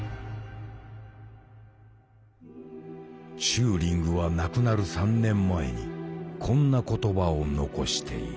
チューリングは亡くなる３年前にこんな言葉を残している。